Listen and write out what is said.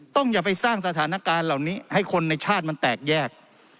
อย่าไปสร้างสถานการณ์เหล่านี้ให้คนในชาติมันแตกแยก